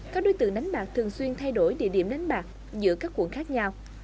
các đối tượng đánh bạc thường xuyên thay đổi địa điểm đánh bạc giữa các quận khác nhau